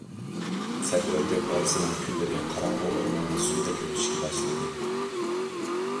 سەت ئۆردەك بالىسىنىڭ كۈنلىرى قاراڭغۇ ئورماندا سۇدەك ئۆتۈشكە باشلىدى.